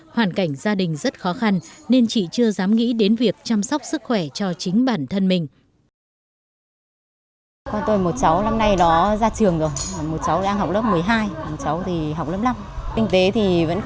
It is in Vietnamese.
hoàn cảnh gia đình rất khó khăn nên chị chưa dám nghĩ đến việc chăm sóc sức khỏe cho chính bản thân mình